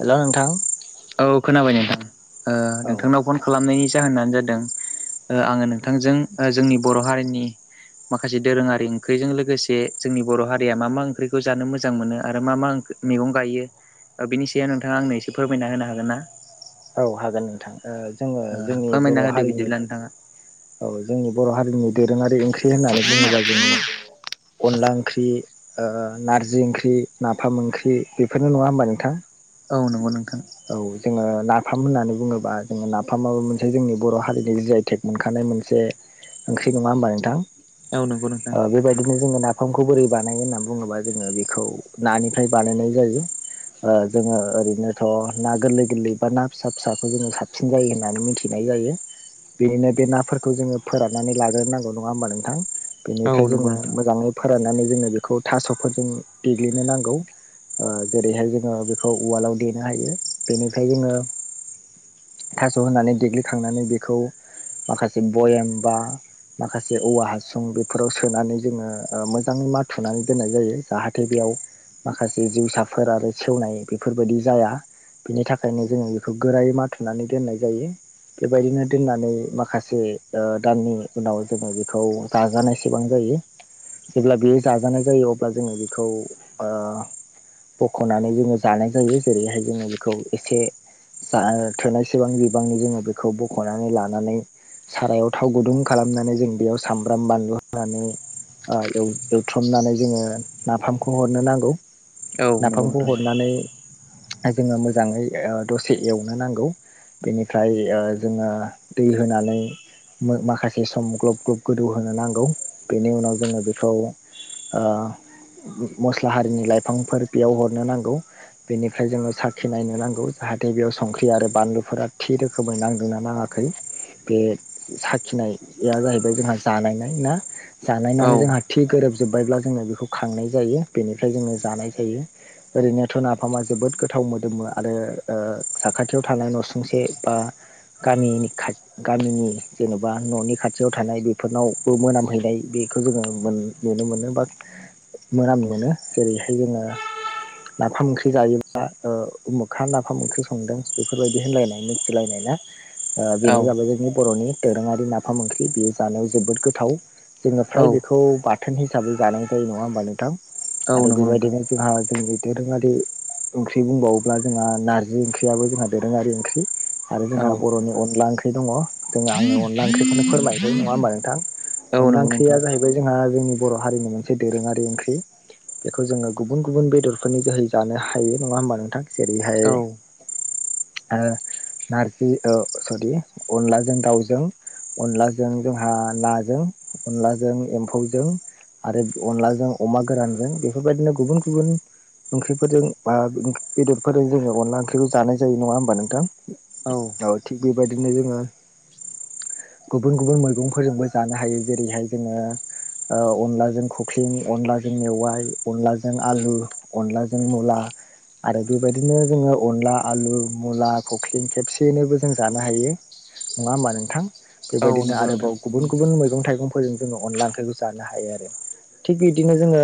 Hello नोंथां। औ खोनाबाय नोंथां। ओ औ नोंथांनाव फन खालामनायनि जाहोनानो जादों। ओ आङो नोंथांजों ओ जोंनि बर' हारिनि माखासे दोरोङारि ओंख्रिजों लोगोसे जोंनि बर' हारिया मा मा ओंख्रिखौ जानो मोजां मोनो आरो मा मा ओंख मैगं गायो। ओ बिनि सायाव नोंथाङा आंनो एसे फोरमायना होनो हागोन ना? औ हागोन नोंथां। ओ जोङो ओ जोंनि फोरमायना बर' होदो हारिनि बिदिब्ला नोंथाङा औ जोंनि बर' हारिनि दोरोङारि ओंख्रि होननानै बुङोबा जोङो अनला ओंख्रि ओ नारजि ओंख्रि, नाफाम ओंख्रि बेफोरनो नङा होमबा नोंथां? औ नंगौ नोंथां। औ जोङो नाफाम होननानै बुङोबा जोङो नाफामाबो मोनसे जोंनि बर' हारिनि जि आइ टेक मोनखानाय मोनसे ओंख्रि नङा होमबा नोंथां। औ नंगौ नोंथां ओ बेबायदिनो जोङो ना फामखौ बोरै बानायो होननानै बुङोबा जोङो बेखौ नानिफ्राय बानायनाय जायो। ओ जोङो ओरैनो थ' ना गोरलै गोरलै बा ना फिसा फिसाखौ जोङो साबसिन जायो होननानै मिथिनाय जायो। बेनिनो बे नाफोरखौ जोङो फोराननानै लाग्रोनांगौ नङा होमबा नोंथां। औ बेनिफ्राय नंगौ जोङो नोंथां मोजाङै फोराननानै जोङो बेखौ थास'फोरजों देग्लिनो नांगौ। ओ जेरैहाय जोङो बेखौ उवालाव देनो हायो। बेनिफ्राय जोङो थास' होनानै देग्लिखांनानै बेखौ माखासे बयाम बा माखासे औवा हासुं बेफोराव सोनानै जोङो ओ मोजाङै माथुनानै दोननाय जायो। जाहाथे बेयाव माखासे जिउसाफोर आरो सेवनाय बेफोर बायदि जाया बिनि थाखायनो जोङो इखौ गोरायै माथुनानै दोननाय जायो। बेबायदिनो दोननानै माखासे ओ दाननि उनाव जोङो बेखौ जाजानायसेबां जायो। जेब्ला बेयो जाजानाय जायो। अब्ला जोङो बेखौ बख'नानै जोङो जानाय जायो। जेरैहाय जोङो बेखौ एसे जा थोनायसेबां बिबांनि जोङो बेखौ बख'नानै लानानै सारायाव थाव गुदुं खालामनानै जों बेयाव सामब्राम, बानलु होनानै ओ एवथ्रमनानै जोङो नाफामखौ हरनो नांगौ औ नंगौ नाफामखौ नोंथां हरनानै जोङो मोजाङै दसे एवनो नांगौ बेनिफ्राय जोङो दै होनानै माखासे सम ग्लब ग्लब गोदौ होनोनो नांगौ बेनि उनाव जोङो बेखौ ओ मस्ला हारिनि लाइफांफोर बेयाव हरनो नांगौ बेनिफ्राय जोङो साखि नायनो नांगौ जाहाथे बेयाव संख्रि आरो बानलुफोरा थि रोखोमै नांदोंना नाङाखै बे साखिनाया जाहैबाय जोंहा जानायनाय ना औ जानायनानै जोंहा थि गोरोबजोब्बायब्ला जोङो बेखौ खांनाय जायो। बेनिफ्राय जोङो जानाय जायो। ओरैनोथ' ना फामा जोबोद गोथाव मोदोमो आरो ओ साखाथियाव थानाय नुसुंसे बा गामिनि खाथ गामिनि जेन'बा न'नि खाथियाव थानाय बेफोरनावबो मोनाम हैनाय बेखौ जोङो मोन नुनो मोनो बा मोनाम मोनो जेरैहाय जोङो नाफाम ओंख्रि जायोबा ओ उमुखा नाफाम ओंख्रि संदों बेफोरबायदि होनलायनाय मिथिलायनाय ना। बेनो जाबाय जोंनि बर'नि दोरोङारि नाफाम ओंख्रि बेयो जानायाव जोबोद गोथाव जोङो औ फ्राय बेखौ बाथोन हिसाबै जानाय जायो नङा होमबा नोंथां औ आरो नंगौ नोंथां बेबायदिनो जोंहा जोंनि दोरोङारि ओंख्रि बुंबावोब्ला जोंहा नारजि ओंख्रियाबो जोंहा दोरोङारि ओंख्रि आरो जोंहा औ बर'नि अनला ओंख्रि दङ जों आङो अनला ओंख्रिखौनो फोरमायनोसै नङा होमबा नोंथां औ नंगौ अनला ओंख्रिया नोंथां जाहैबाय जोंहा जोंनि बर' हारिनि मोनसे दोरोङारि ओंख्रि बेखौ जोङो गुबुन गुबुन बेदरफोरनि जोहै जानो हायो नङा होमबा नोंथां जेरैहाय औ ओ नारजि ओ सरि अनलाजों दाउजों अनलाजों जोंहा नाजों अनलाजों एम्फौजों आरो अनलाजों अमा गोरानजों बेफोरबायदिनो गुबुन गुबुन ओंख्रिफोरजों बा बेदरफोरजों जोङो अनला ओंख्रिखौ जानाय जायो नङा होमबा नोंथां औ थिग बेबायदिनो जोङो गुबुन गुबुन मैगंफोरजोंबो जानो हायो जेरैहाय जोङो औ अनलाजों कुकलिं अनलाजों मेवाय अनलाजों आलु अनलाजों मुला आरो बेबायदिनो जोङो अनला आलु मुला कुकलिं खेबसेयैनो बो जों जानो हायो नङा होमबा नोंथां औ बेबायदिनो नंगौ नोंथां आरोबाव गुबुन गुबुन गुबुन मैगं थाइगंफोरजों जोङो अनला ओंख्रिखौ जानो हायो आरो थिग बिदिनो जोङो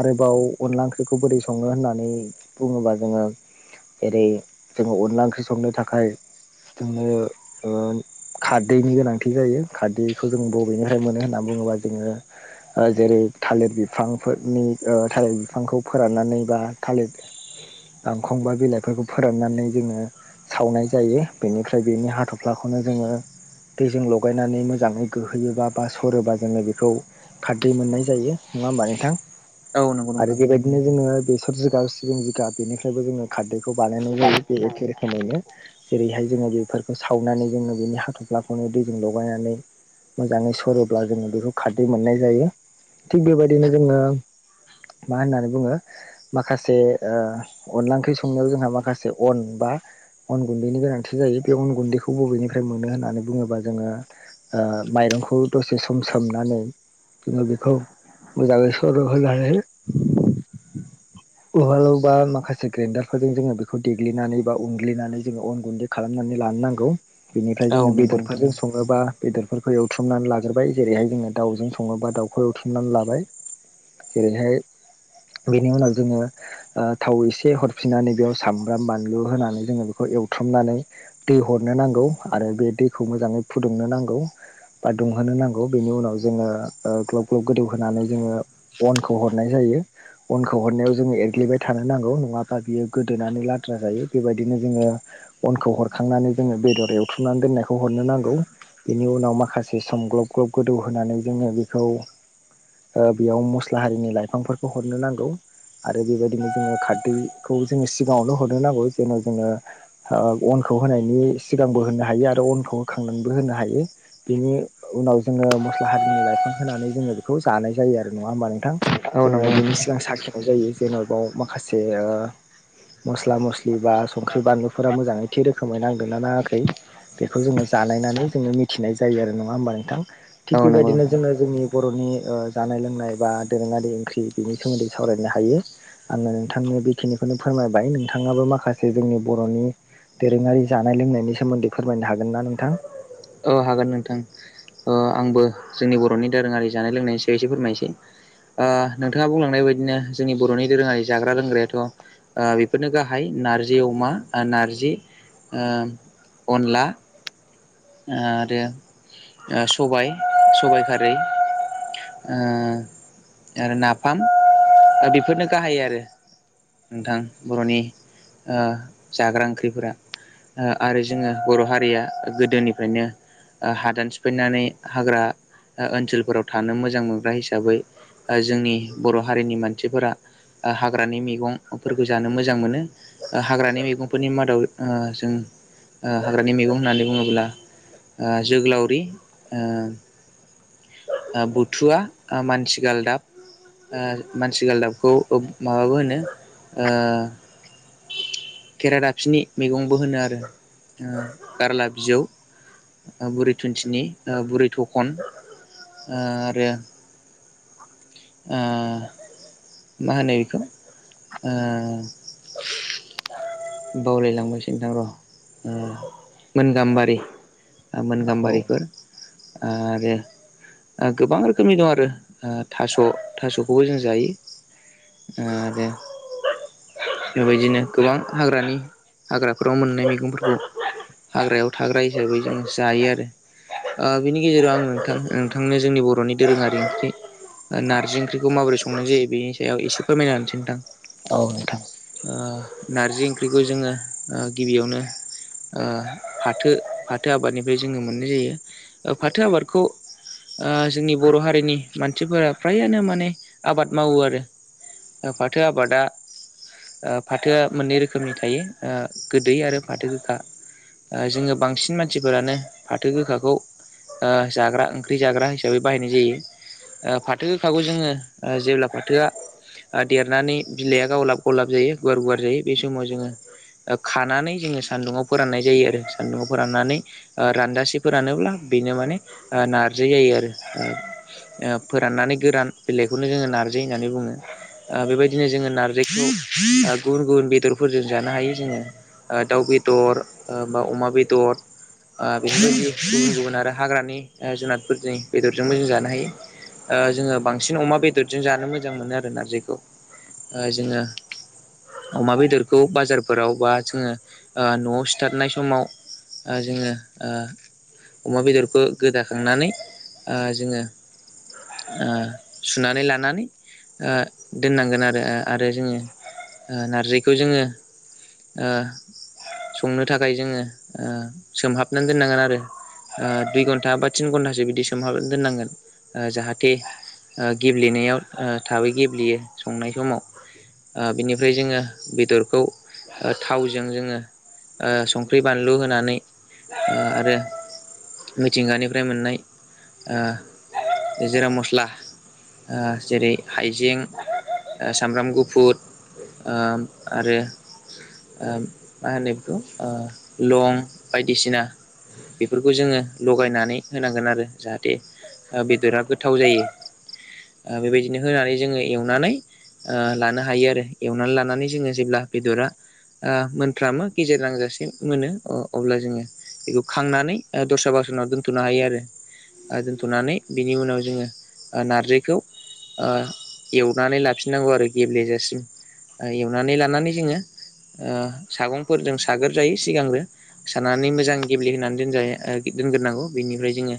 आरोबाव अनला ओंख्रि बेखौ बोरै सङो होननानै बुङोब्ला जोङो जेरै जोङो अनला ओंख्रि संनो थाखायुनो [unintelligible] खारदैनि गोनांथि जायो खारदैखौ जों बबेनिफ्राय मोनो होननानै बुङोबा जोङो जेरै थालिर बिफांफोरनि थालिर बिफांखौ फोराननानै बा थालिर दांखं बा बिलाइफोरखौ फोराननानै जोङो सावनाय जायो बेनिफ्राय बेनि हाथ'फ्लाखौनो जोङो दैजों लगायनानै मोजाङै गोहैयोबा बा सरोबा जोङो बेखौ खारदै मोननाय जायो नङा होमबा नोंथां औ नंगौ आरो नोंथां बेबायदि बिदिनो जोङो बेसर जिगाब सिबिं जिगाब बेनिफ्रायबो जोङो खारदैखौ बानायनाय जायो बे एखे रोखोमैनो जेरैहाय जोङो बेफोरखौ सावनानै जोङो बेनि हाथ'फ्लाखौनो दैजों लगायनानै मोजाङै सरोब्ला जोङो बेखौ खारदै मोननाय जायो थिग बेबायदिनो जोङो मा होन्नानै बुङो माखासे अनला ओख्रि संनायाव जोंहा माखासे अन बा अन गुन्दैनि गोनांथि जायो बे अन गुन्दैखौ बबेनिफ्राय मोनो होननानै बुङोबा जोङो ओ माइरंखौ दसे सम सोमनानै ा बिखौ म जागेसर ह लाह लाह [inaudible] [inaudible] उहालावबा माखासे ग्रेडारफोरजों जोङो बेखौ देग्लिनानै बा उनग्लिनानै जोङो अन गुन्दै खालामनानै लानो नांगौ बेनिफ्राय औ जोङो नंगौ बेदरफोर नोंथां जों सङोबा बेदरफोरखौ एवथ्रुमनानै लाग्रोबाय जेरैहाय जोङो दाउजों सङोबा दाउखौ एवथ्रुमनानै लाबाय जेरैहाय बेनि उनाव जोङा थाव एसे हरफिननानै बेयाव सामब्राम बानलु होनानै जोङो बेखौ एवथ्रमनानै दै हरनो नांगौ आरो बे दैखौ मोजाङै फुदुंनो नांगौ बा दुंहोनो नांगौ बेनि उनाव जोङो ग्लब ग्लब गोदौहोनानै जोङो अनखौ हरनाय जायो अनखौ हरनायाव जोङो एरग्लिबाय थानो नांगौ नङाबा बियो गोदोनानै लाद्रा जायो बेबायदिनो जोङो अनखौ हरखांनानै जोङो बेदर एवथ्रुमनानै दोननायखौ हरनो नांगौ बेनि उनाव माखासे सम ग्लब ग्लब गोदौ होनानै जोङो बेखौ बेयाव मस्ला हारिनि लाइफांफोरखौ हरनो नांगौ आरो बेबायदिनो जोङो खारदैखौ जोङो सिगाङावनो हरनो नांगौ जेन' जोङो अनखौ होनायनि सिगांबो होनो हायो आरो अनखौ होखांनानैबो होनो हायो बिनि उनाव जोङो मस्ला हारिुनि लाइफां होनानै जोङो बेखौ जानाय जायो आरो नङा होमबा नोंथां औ जोङो नंगौ नोंथां बेनि सिगां साखिनाय जायो जेन' बाव माखासे मस्ला मस्लि बा संख्रि बानलुफोरा मोजाङै थि रोखोमै नांदोनना नाङाखै बेखौ जोङो जानायनानै जोङो मिथिनाय जायो आरो। नङा होमबा नोंथां? थिग औ नंगौ बेबायदिनो नोंथां जोङो जोंनि बर'नि ओ जानाय लोंनाय बा दोरोङारि ओंख्रि बिनि सोमोन्दै सावरायनो हायो। आङो नोंथांनो बेखिनिखौनो फोरमायबाय। नोंथाङाबो माखासे जोंनि बर'नि दोरोङारि जानाय लोंनायनि सोमोन्दै फोरमायनो हागोन ना नोंथां? औ हागोन नोंथां। ओ आंबो जोंनि बर'नि दोरोङारि जानाय लोंनायनि सायाव एसे फोरमायसै। ओ नोंथाङा बुंलांनाय बायदिनो जोंनि बर'नि दोरोङारि जाग्रा लोंग्रायाथ' ओ बेफोरनो गाहाय नारजि अमा नारजि अनला आरो सबाय सबाइ खारै ओ आरो नाफाम बेफोरनो गाहाय आरो। नोंथां बर'नि ओ जाग्रा ओंख्रिफोरा आरो जोङो बर' हारिया गोदोनि फायनो हादान सिफायनानै हाग्रा ओनसोलफोराव थानो मोजां मोनग्रा हिसाबै जोंनि बर' हारिनि मानसिफोरा हाग्रानि मैगंफोरखौ जानो मोजां मोनो। हाग्रानि मैगंफोरनि मादाव ओ जों हाग्रानि मैगं होननानै बुङोब्ला ओ जोगोलावरि ओ बुथुवा मानसि गालदाब ओ मानसि गालदाबखौ माबाबो होनो ओ खरादाफिनि मैगंबो होनो आरो गारला बिजौ बुरि थुुनथिनि बुरै थखन आरो ओ मा होनो बेखौ ओ बावलायलांबायसो नोथां र' मोन गाम्बारि मोन औ गाम्बारिफोर आरो गोबां रोखोमनि दं आरो ओ थास' थास'खौबो जों जायो। आरो बेबायदिनो गोबां हाग्रानि हाग्राफोराव मोननाय मैगंफोरखौ हाग्रायाव थाग्रा हिसाबै जोङो जायो आरो। ओ बिनि गेजेराव आं नोंथां नोंथांनो जोंनि बर'नि दोरोङारि ओंख्रि नार्जि ओंख्रिखौ माबोरै संनाय जायो बेनि सायाव एसे फोरमायनासै नोंथां। औ नोंथां। ओ नारजि ओंख्रिखौ जोङो गिबियावनो। ओ फाथो फाथो आबादनिफ्राय जोङो मोननाय जायो फाथो आबादखौ ओ जोंनि बर' हारिनि मानसिफोरा फ्रायानो माने आबाद मावो आरो। ओ फाथो आबादा ओ फाथो मोननै रोखोमनि थायो ओ गोदै आरो फाथो गोखा। ओ जोङो बांसिन मानसिफोरानो फाथो गोखाखौ ओ जाग्रा ओंख्रि जाग्रा हिसाबै बाहायनाय जायो। फाथो गोखाखौ जोङो जेब्ला फाथोआ देरनानै बिलाइया गावलाब गावलाब जायो गुवार गुवार जायो बे समाव जोङो खानानै जोङो सान्दुाव फोराननाय जायो आरो। सान्दुंङाव फोराननानै रानजासेफोरानोब्ला बेनो माने नार्जि जायो आरोओ। ओ फोराननानै गोरान बिलाइखौनो जोङो नार्जि होननानै बुङो। ओ बेबायदिनो जोङो नारजिखौ गुबुन गुबुन बे बेदरफोरजों जानो हायो जोङो ओ दाउ बेदर बा अमा बेदर ओ बेफोरबायदि गुबुन गुबुन आरो हाग्रानि ओ जुनादफोरनि बेदरजोंबो जों जानो हायो। ओ जोङो बांसिन अमा बेदरजों जानो मोजां मोनो आरो नारजिखौ। ओ जोङो अमाबे बेदरखौ बाजारफोराव बा जोङो ओ न'आव सिथारनाय समाव ओ जोङो ओ अमा बेदरखौ गोदाखांनानै ओ जोङो ओ सुनानै लानानै ओ दोननांगोन आरो ओ आरो जोङो नारजि खौ जोङो ओ संनो थाखाय जोङो ओ सोमहाबनानै दोननांगोन। आरो ओ दुइ घन्टा बा थिन घन्टासो बिदि सोमहाब दोननांगोन जाहाथे ओ गेब्लेनायाव ओ थाबै गेब्लेयो संनाय समाव ओ बिनिफ्राय जोङो बेदरखौ थावजों जोङो ओ संख्रि बानलु होनानै ओ आरो मिथिंगानिफ्राय मोननाय ओ जिरा मस्ला ओ जेरै हाइजें सामब्राम गुफुर ओ आरो ओ मा होनो बेखौ ओ लं बायदिसिना बेफोरखौ जोङो लगायनानै होनांगोन आरो जाहाथे ओ बेदरा गोथाव जायो। ओ बेबायदिनो होनानै जोङो एवनानै ओ लानो हायो आरो एवनानै लानानै जोङो जेब्ला बेदरा ओ मोनफ्रामो गेजेर नांजासे मोनो अ-अब्ला जोङो बेखौ खांनानै दस्रा बासोनाव दोनथ'नो हायो। आरो दोनथ'नानै बिनि उनाव जोङो नारजिखौ ओ एवनानै लाफिननांगौ आरो गेब्लेजासिम एवनानै लानानै जोङो ओ सागंफोरजों सागोर जायो सिगांग्रो साननानै मोजां गेब्लेहोनानै दोनजाया दोनग्रोनांगौ बेनिफ्राय जोङो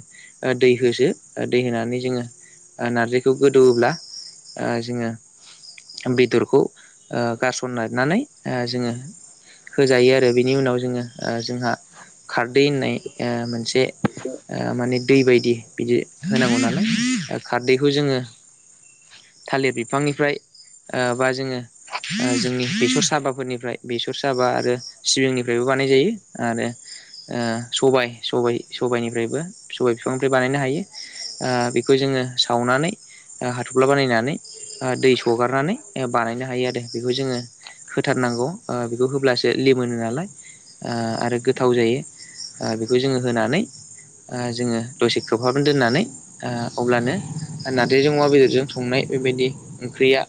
दै होसो दै होनानै जोङो नारजिखौ गोदौओब्ला ओ जोङो बेदरखौ ओ गारसन नानै जोङो होजायो आरो बिनि उनाव जोङो ओ जोंहा खारदै होननाय मोनसे बे' [unintelligible] माने दै बायदि बिदि होनांगौ नालाय खारदैखौ जोङो थालिर बिफांनिफ्राय ओ बा जोङो जोंनि बेसर साबाफोरनिफ्राय बेसर साबा आरो सिबिंनिफ्रायबो बानाय जायो आरो ओ सबाय सबाय- सबायनिफ्रायबो सबाय बिफांनिफ्राय बानायनो हायो। ओ बेखौ जोंङो सावनानै हाथ'फ्ला बानायनानै दै सगारनानै बानायनो हायो आरो बेखौ जोङो होथारनांगौ बेखौ होब्लासो लिमोनो नालाय आरो गोथाव जायो बेखौ जोङो होनानै ओ जोंङो दसे खोबहाबना दोननानै ओ अब्लानो नारजिजों अवा बेदरजों संनाय बेबायदि ओंख्रिया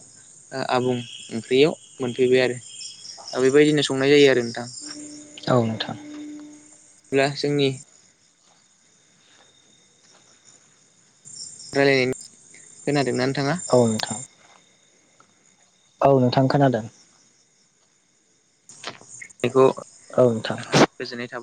आबुं ओंख्रियाव मोनफैबाय आरो बेबायदिनो संनाय जायो आरो नोंथां। औ नोंथां। द [unintelligible] जोंनि राय्लायनाय [unintelligible] खोनादोंना नोंथाङा? औ नथां औ नोंथां खोनादों। बेखौ औ नोंथां। गोजोननाय थाबाय।